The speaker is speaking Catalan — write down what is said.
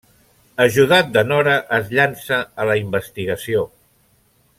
Ajudat de Nora, es llança a la investigació.